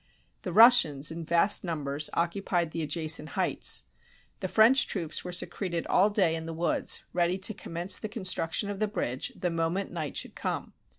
The Russians, in vast numbers, occupied the adjacent heights. The French troops were secreted all day in the woods, ready to commence the construction of the bridge the moment night should come.